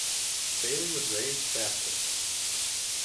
Bailey was raised Baptist.